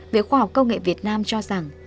viện khoa học công nghệ việt nam cho rằng